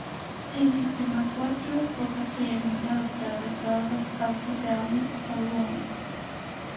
El sistema Quattro fue posteriormente adoptado en todos los autos de Audi saloon.